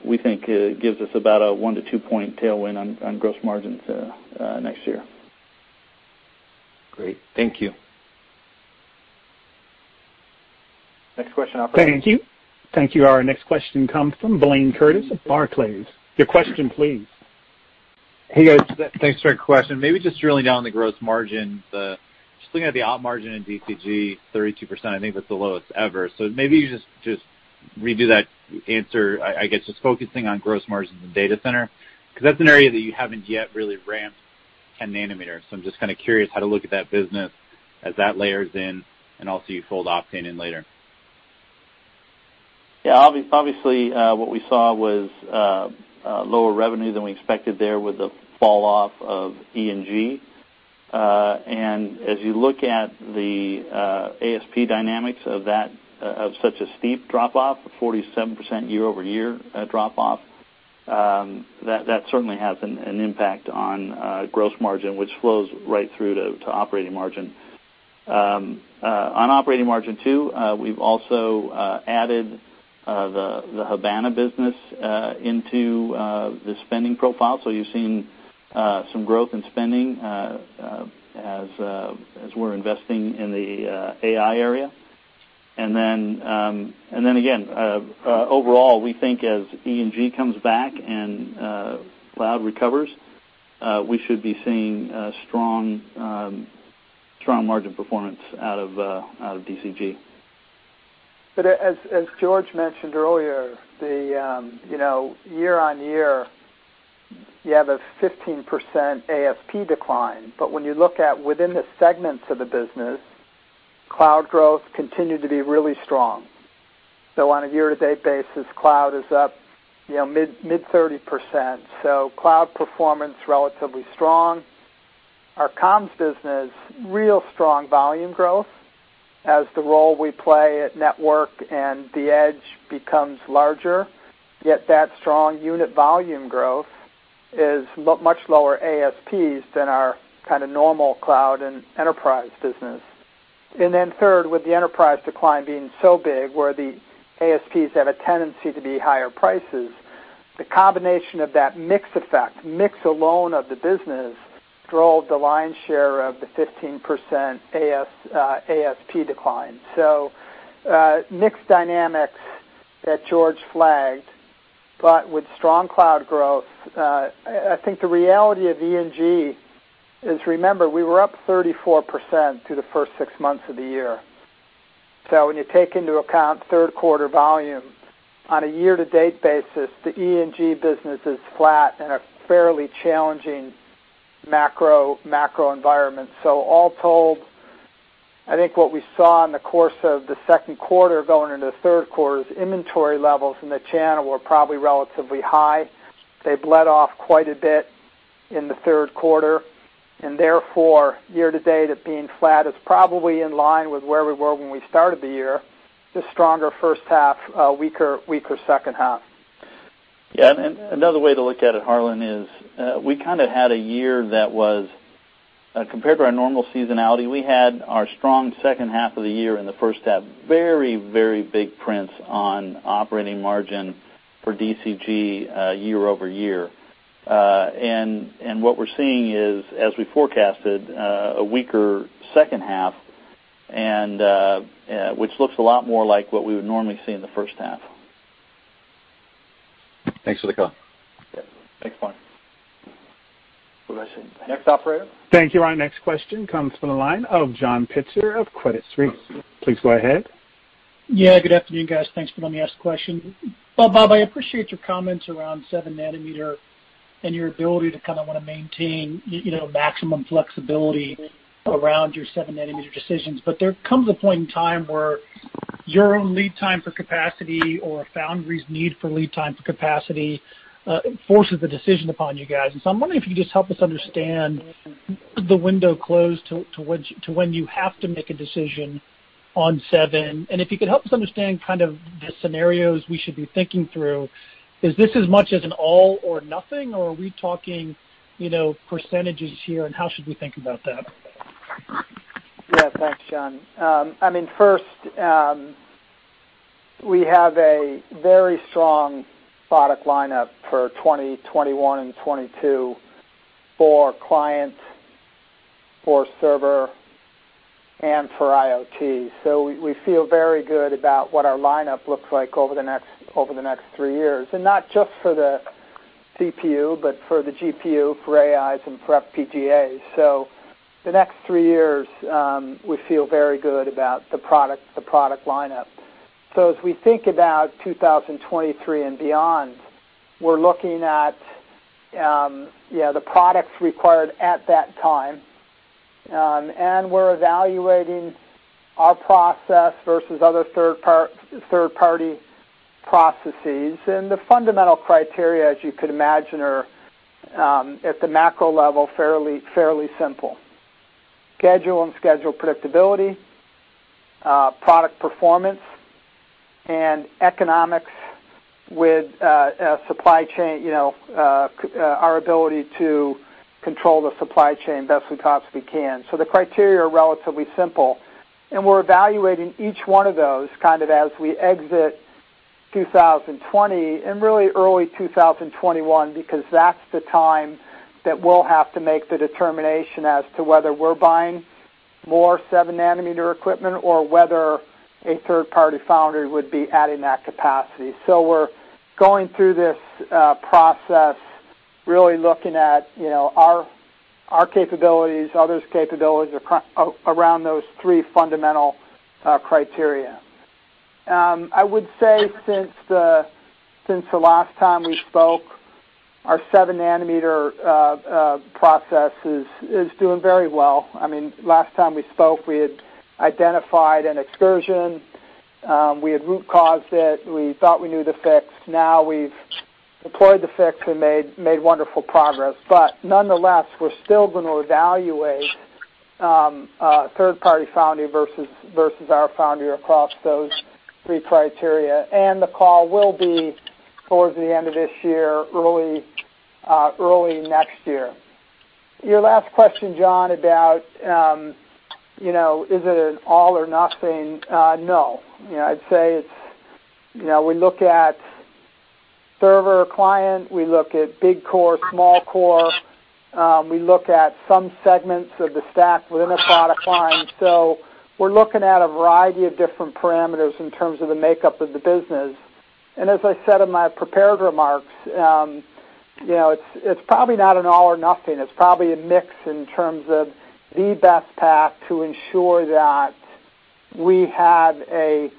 we think gives us about a one to 2-point tailwind on gross margins next year. Great. Thank you. Next question, operator. Thank you. Our next question comes from Blayne Curtis of Barclays. Your question please. Hey, guys. Thanks for the question. Maybe just drilling down the gross margin, just looking at the op margin in DCG, 32%, I think that's the lowest ever. Maybe you just redo that answer, I guess, just focusing on gross margins in data center, because that's an area that you haven't yet really ramped 10 nm. I'm just kind of curious how to look at that business as that layers in and also you fold Optane in later. Obviously, what we saw was lower revenue than we expected there with the falloff of E&G. As you look at the ASP dynamics of such a steep drop-off, a 47% year-over-year drop-off, that certainly has an impact on gross margin, which flows right through to operating margin. On operating margin too, we've also added the Habana business into the spending profile, so you're seeing some growth in spending as we're investing in the AI area. Again, overall, we think as E&G comes back and cloud recovers, we should be seeing a strong margin performance out of DCG. As George mentioned earlier, year-on-year, you have a 15% ASP decline. When you look at within the segments of the business, cloud growth continued to be really strong. On a year-to-date basis, cloud is up mid-30%. Cloud performance, relatively strong. Our comms business, real strong volume growth as the role we play at network and the edge becomes larger, yet that strong unit volume growth is much lower ASPs than our kind of normal cloud and enterprise business. Third, with the enterprise decline being so big, where the ASPs have a tendency to be higher prices, the combination of that mix effect, mix alone of the business, drove the lion's share of the 15% ASP decline. Mix dynamics that George flagged, with strong cloud growth. I think the reality of E&G is, remember, we were up 34% through the first six months of the year. When you take into account third quarter volume on a year-to-date basis, the E&G business is flat in a fairly challenging macro environment. All told, I think what we saw in the course of the second quarter going into the third quarter is inventory levels in the channel were probably relatively high. They bled off quite a bit in the third quarter, and therefore, year-to-date, it being flat is probably in line with where we were when we started the year, just stronger first half, weaker second half. Yeah, another way to look at it, Harlan, is we kind of had a year that was, compared to our normal seasonality, we had our strong second half of the year and the first half, very big prints on operating margin for DCG year-over-year. What we're seeing is, as we forecasted, a weaker second half, which looks a lot more like what we would normally see in the first half. Thanks for the call. Yeah. Thanks, Blayne. What do I say? Next operator. Thank you. Our next question comes from the line of John Pitzer of Credit Suisse. Please go ahead. Yeah. Good afternoon, guys. Thanks for letting me ask the question. Bob, I appreciate your comments around 7 nm and your ability to kind of want to maintain maximum flexibility around your 7 nm decisions. There comes a point in time where your own lead time for capacity or a foundry's need for lead time for capacity, forces a decision upon you guys. I'm wondering if you could just help us understand the window close to when you have to make a decision on 7 nm, and if you could help us understand the scenarios we should be thinking through. Is this as much as an all or nothing, or are we talking percentages here, and how should we think about that? Thanks, John. We have a very strong product lineup for 2021 and 2022 for clients, for server, and for IoT. We feel very good about what our lineup looks like over the next three years. Not just for the CPU, but for the GPU, for AIs, and for FPGAs. The next three years, we feel very good about the product lineup. As we think about 2023 and beyond, we're looking at the products required at that time, and we're evaluating our process versus other third-party processes. The fundamental criteria, as you could imagine, are, at the macro level, fairly simple. Schedule and schedule predictability, product performance, and economics with our ability to control the supply chain the best we possibly can. The criteria are relatively simple, and we're evaluating each one of those as we exit 2020, and really early 2021, because that's the time that we'll have to make the determination as to whether we're buying more 7 nm equipment or whether a third-party foundry would be adding that capacity. We're going through this process, really looking at our capabilities, others' capabilities, around those three fundamental criteria. I would say since the last time we spoke, our 7 nm process is doing very well. Last time we spoke, we had identified an excursion. We had root caused it. We thought we knew the fix. Now we've deployed the fix and made wonderful progress. Nonetheless, we're still going to evaluate a third-party foundry versus our foundry across those three criteria, and the call will be towards the end of this year, early next year. Your last question, John, about is it an all or nothing? No. I'd say we look at server client, we look at big core, small core. We look at some segments of the stack within a product line. We're looking at a variety of different parameters in terms of the makeup of the business. As I said in my prepared remarks, it's probably not an all or nothing. It's probably a mix in terms of the best path to ensure that we have a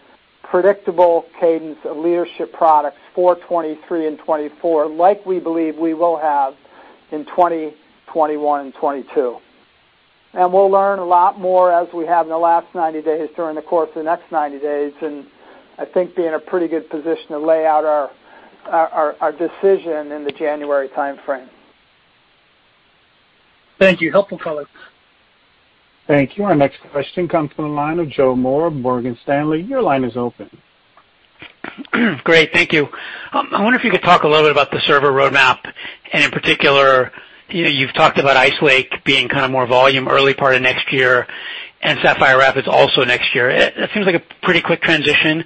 predictable cadence of leadership products for 2023 and 2024, like we believe we will have in 2021 and 2022. We'll learn a lot more as we have in the last 90 days during the course of the next 90 days, and I think be in a pretty good position to lay out our decision in the January timeframe. Thank you. Helpful color. Thank you. Our next question comes from the line of Joe Moore, Morgan Stanley. Great. Thank you. I wonder if you could talk a little bit about the server roadmap, and in particular, you've talked about Ice Lake being more volume early part of next year and Sapphire Rapids also next year. That seems like a pretty quick transition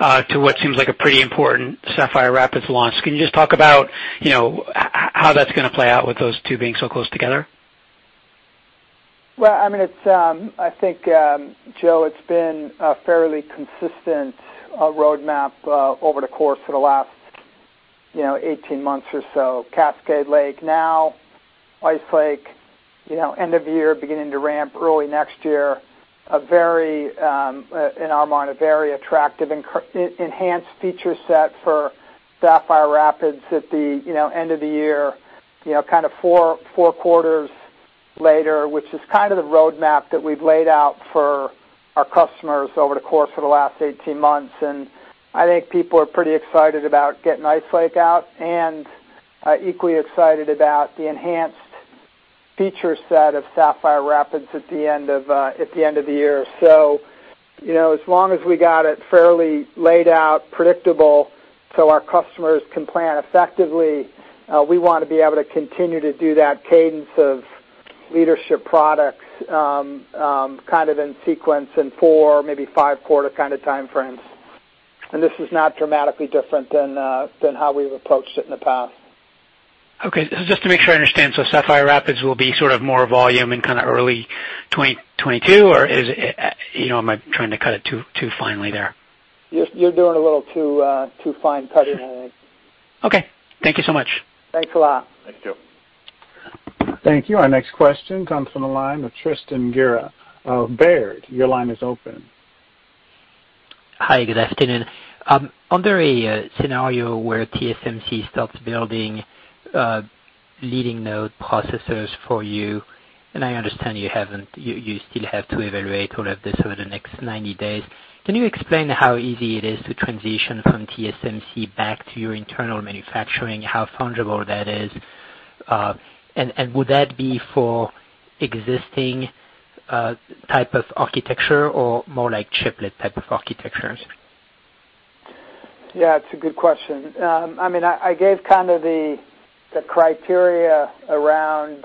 to what seems like a pretty important Sapphire Rapids launch. Can you just talk about how that's going to play out with those two being so close together? Well, I think, Joe, it's been a fairly consistent roadmap over the course of the last 18 months or so. Cascade Lake now, Ice Lake, end of year, beginning to ramp early next year. In our mind, a very attractive, enhanced feature set for Sapphire Rapids at the end of the year, kind of four quarters later, which is kind of the roadmap that we've laid out for our customers over the course of the last 18 months. I think people are pretty excited about getting Ice Lake out, and equally excited about the enhanced feature set of Sapphire Rapids at the end of the year. As long as we got it fairly laid out, predictable, so our customers can plan effectively, we want to be able to continue to do that cadence of leadership products in sequence in four, maybe five quarter timeframes. This is not dramatically different than how we've approached it in the past. Okay. Just to make sure I understand. Sapphire Rapids will be sort of more volume in early 2022, or am I trying to cut it too finely there? You're doing a little too fine cutting, I think. Okay. Thank you so much. Thanks a lot. Thank you. Thank you. Our next question comes from the line with Tristan Gerra of Baird. Your line is open. Hi, good afternoon. Under a scenario where TSMC starts building leading node processors for you, and I understand you still have to evaluate all of this over the next 90 days, can you explain how easy it is to transition from TSMC back to your internal manufacturing? How fungible that is? Would that be for existing type of architecture or more like chiplet type of architectures? Yeah, it's a good question. I gave kind of the criteria around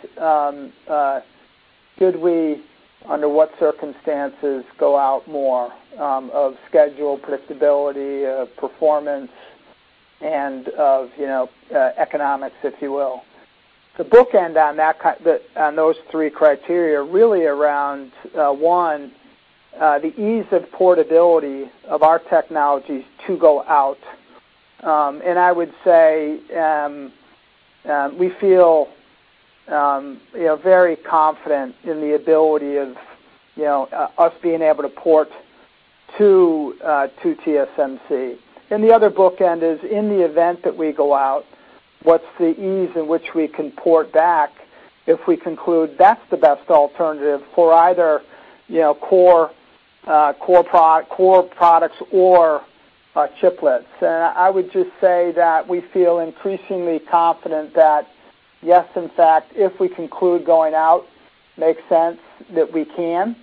could we, under what circumstances, go out more of schedule predictability, of performance, and of economics, if you will. The bookend on those three criteria are really around, one, the ease of portability of our technologies to go out. I would say, we feel very confident in the ability of us being able to port to TSMC. The other bookend is in the event that we go out, what's the ease in which we can port back if we conclude that's the best alternative for either core products or chiplets. I would just say that we feel increasingly confident that, yes, in fact, if we conclude going out, makes sense that we can,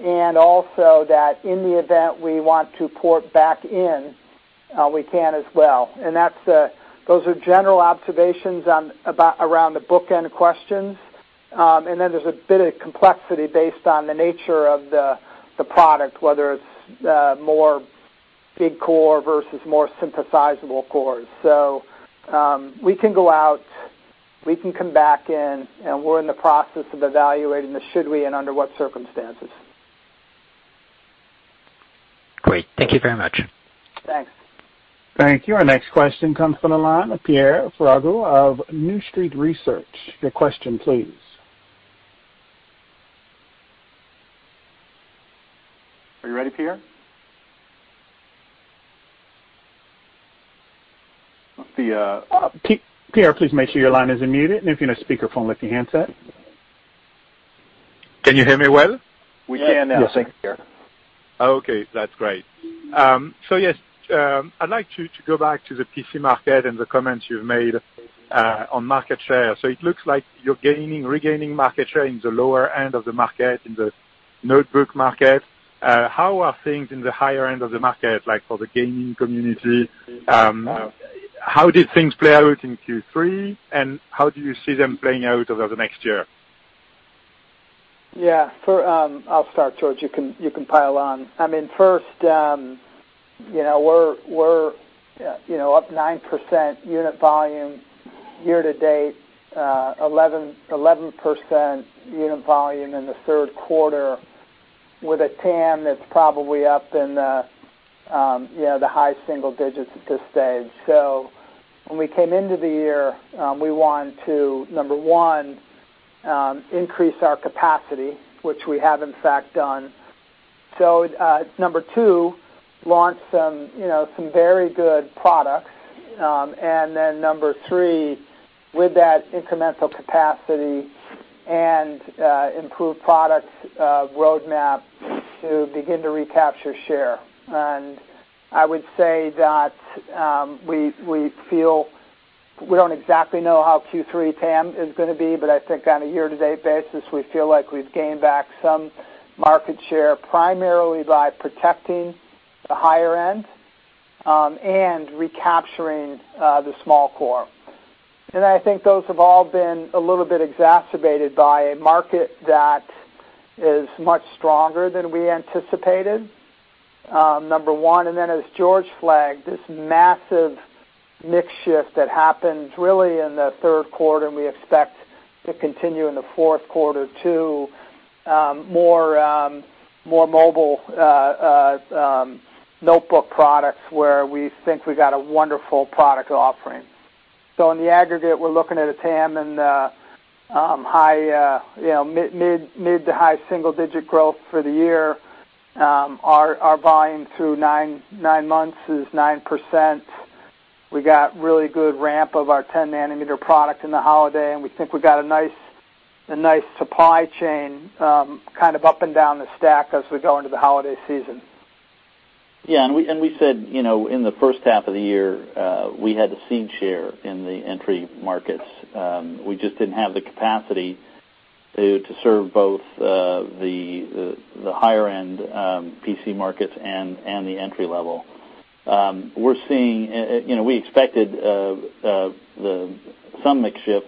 and also that in the event we want to port back in, we can as well. Those are general observations around the bookend questions. Then there's a bit of complexity based on the nature of the product, whether it's more big core versus more synthesizable cores. We can go out, we can come back in, and we're in the process of evaluating the should we and under what circumstances. Great. Thank you very much. Thanks. Thank you. Our next question comes from the line of Pierre Ferragu of New Street Research. Your question, please. Are you ready, Pierre? Pierre, please make sure your line isn't muted. If you're in a speakerphone, lift your handset. Can you hear me well? We can now. Thanks, Pierre. Okay, that's great. Yes, I'd like to go back to the PC market and the comments you've made on market share. It looks like you're regaining market share in the lower end of the market, in the notebook market. How are things in the higher end of the market, like for the gaming community? How did things play out in Q3, and how do you see them playing out over the next year? Yeah. I'll start, George, you can pile on. We're up 9% unit volume year to date, 11% unit volume in the third quarter with a TAM that's probably up in the high single digits at this stage. When we came into the year, we wanted to, number one, increase our capacity, which we have in fact done. Number two, launch some very good products. Number three, with that incremental capacity and improved product roadmap to begin to recapture share. I would say that we don't exactly know how Q3 TAM is going to be, but I think on a year to date basis, we feel like we've gained back some market share, primarily by protecting the higher end, and recapturing the small core. I think those have all been a little bit exacerbated by a market that is much stronger than we anticipated, number one, then as George flagged, this massive mix shift that happened really in the third quarter, and we expect to continue in the fourth quarter too, more mobile notebook products where we think we've got a wonderful product offering. In the aggregate, we're looking at a TAM in the mid to high single-digit growth for the year. Our volume through nine months is 9%. We got really good ramp of our 10 nm product in the holiday, and we think we've got a nice supply chain up and down the stack as we go into the holiday season. Yeah, we said in the first half of the year, we had a cede share in the entry markets. We just didn't have the capacity to serve both the higher-end PC markets and the entry level. We expected some mix shift,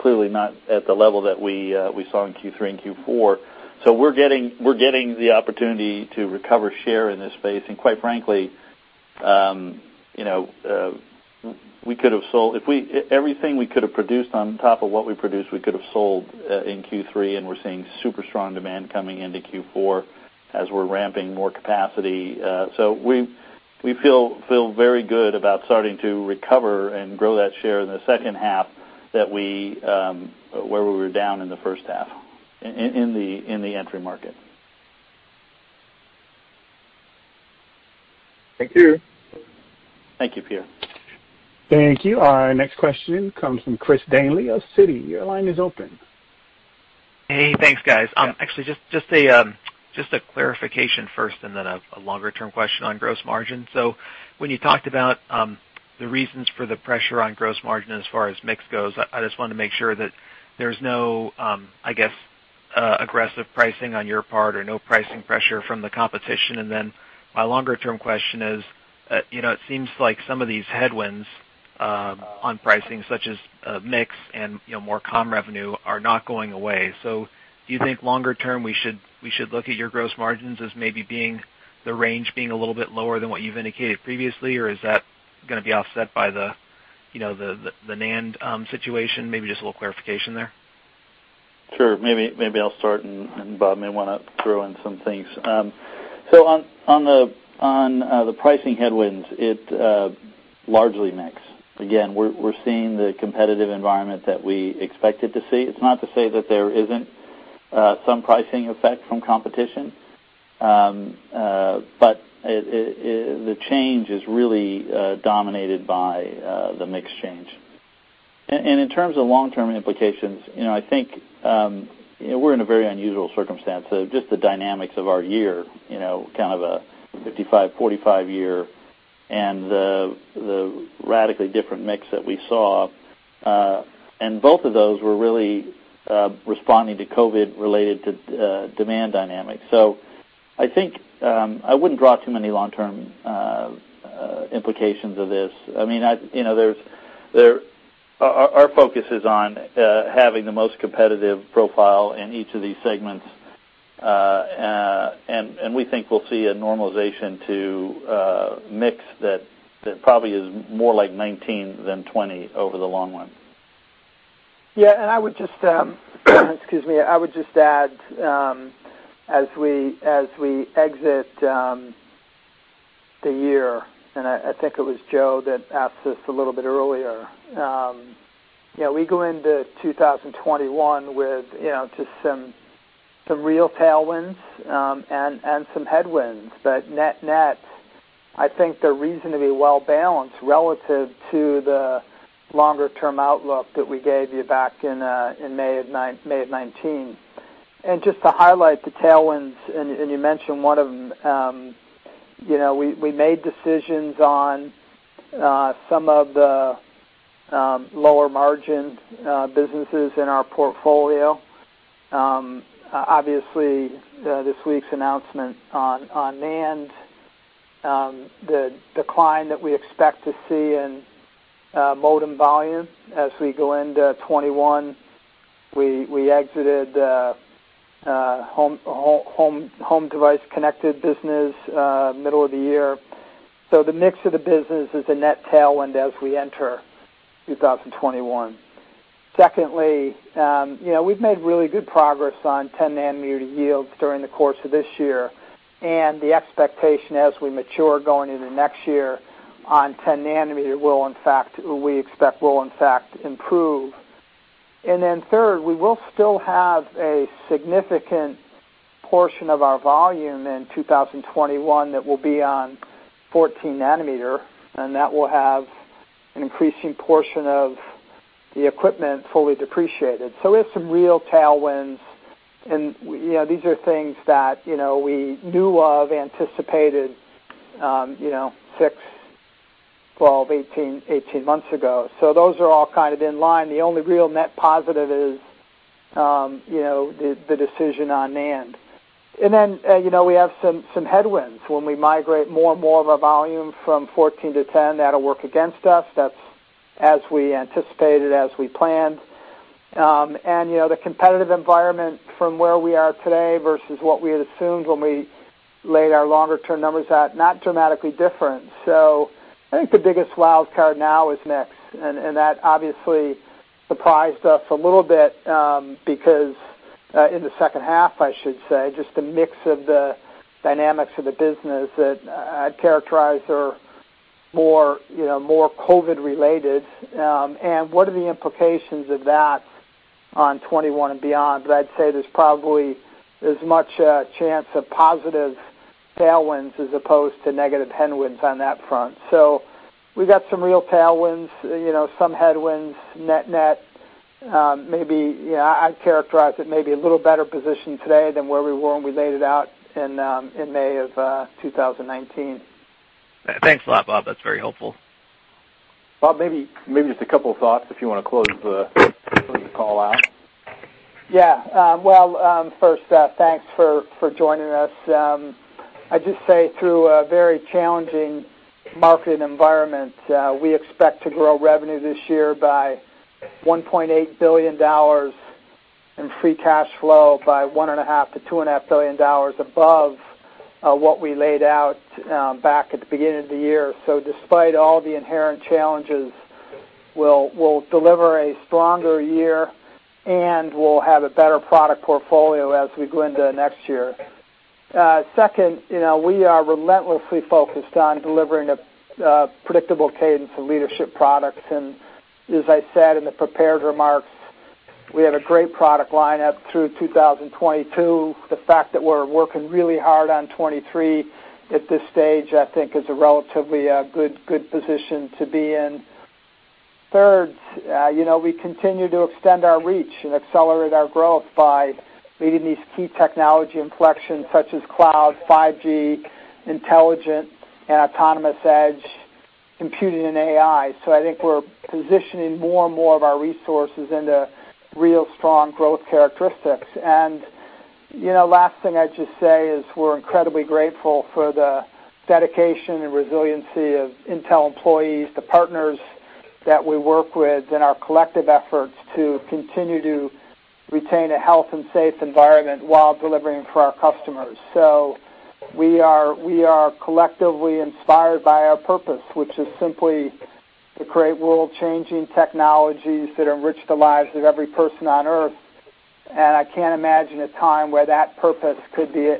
clearly not at the level that we saw in Q3 and Q4. We're getting the opportunity to recover share in this space, and quite frankly, everything we could've produced on top of what we produced, we could've sold in Q3, and we're seeing super strong demand coming into Q4 as we're ramping more capacity. We feel very good about starting to recover and grow that share in the second half where we were down in the first half in the entry market. Thank you. Thank you, Pierre. Thank you. Our next question comes from Chris Danely of Citi. Your line is open. Hey, thanks guys. Actually, just a clarification first and then a longer-term question on gross margin. When you talked about the reasons for the pressure on gross margin as far as mix goes, I just wanted to make sure that there's no aggressive pricing on your part or no pricing pressure from the competition. Then my longer-term question is, it seems like some of these headwinds on pricing, such as mix and more comm revenue, are not going away. Do you think longer term, we should look at your gross margins as maybe the range being a little bit lower than what you've indicated previously? Is that going to be offset by the NAND situation? Maybe just a little clarification there. Sure. Maybe I'll start, Bob may want to throw in some things. On the pricing headwinds, it's largely mix. Again, we're seeing the competitive environment that we expected to see. It's not to say that there isn't some pricing effect from competition, but the change is really dominated by the mix change. In terms of long-term implications, I think we're in a very unusual circumstance of just the dynamics of our year, kind of a 55/45 year, and the radically different mix that we saw, and both of those were really responding to COVID-related demand dynamics. I think I wouldn't draw too many long-term implications of this. Our focus is on having the most competitive profile in each of these segments. We think we'll see a normalization to mix that probably is more like 2019 than 2020 over the long run. I would just add, as we exit the year, I think it was Joe that asked this a little bit earlier, we go into 2021 with just some real tailwinds and some headwinds, but net-net, I think they're reasonably well-balanced relative to the longer-term outlook that we gave you back in May of 2019. Just to highlight the tailwinds, and you mentioned one of them, we made decisions on some of the lower-margin businesses in our portfolio. Obviously, this week's announcement on NAND, the decline that we expect to see in modem volume as we go into 2021. We exited home device connected business middle of the year. The mix of the business is a net tailwind as we enter 2021. We've made really good progress on 10 nm yields during the course of this year. The expectation as we mature going into next year on 10 nm we expect will in fact improve. Third, we will still have a significant portion of our volume in 2021 that will be on 14 nm, that will have an increasing portion of the equipment fully depreciated. We have some real tailwinds. These are things that we knew of, anticipated six, 12, 18 months ago. Those are all kind of in line. The only real net positive is the decision on NAND. We have some headwinds. When we migrate more and more of our volume from 14 nm to 10 nm, that'll work against us. That's as we anticipated, as we planned. The competitive environment from where we are today versus what we had assumed when we laid our longer-term numbers out, not dramatically different. I think the biggest wildcard now is mix. That obviously surprised us a little bit because in the second half, I should say, just the mix of the dynamics of the business that I'd characterize are more COVID-related. What are the implications of that on 2021 and beyond? I'd say there's probably as much a chance of positive tailwinds as opposed to negative headwinds on that front. We've got some real tailwinds, some headwinds, net-net. I'd characterize it maybe a little better position today than where we were when we laid it out in May of 2019. Thanks a lot, Bob. That's very helpful. Bob, maybe just a couple of thoughts if you want to close the call out. First, thanks for joining us. I'd just say through a very challenging market environment, we expect to grow revenue this year by $1.8 billion, and free cash flow by $1.5 billion-$2.5 billion above what we laid out back at the beginning of the year. Despite all the inherent challenges, we'll deliver a stronger year, and we'll have a better product portfolio as we go into next year. Second, we are relentlessly focused on delivering a predictable cadence of leadership products. As I said in the prepared remarks, we have a great product line-up through 2022. The fact that we're working really hard on 2023 at this stage, I think, is a relatively good position to be in. Third, we continue to extend our reach and accelerate our growth by leading these key technology inflections such as cloud, 5G, intelligent and autonomous edge computing, and AI. I think we're positioning more and more of our resources into real strong growth characteristics. Last thing I'd just say is we're incredibly grateful for the dedication and resiliency of Intel employees, the partners that we work with in our collective efforts to continue to retain a health and safe environment while delivering for our customers. We are collectively inspired by our purpose, which is simply to create world-changing technologies that enrich the lives of every person on Earth. I can't imagine a time where that purpose could be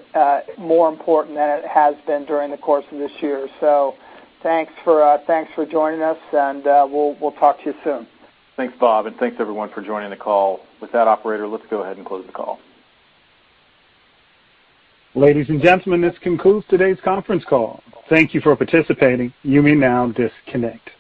more important than it has been during the course of this year. Thanks for joining us, and we'll talk to you soon. Thanks, Bob, and thanks everyone for joining the call. With that, operator, let's go ahead and close the call. Ladies and gentlemen, this concludes today's conference call. Thank you for participating. You may now disconnect.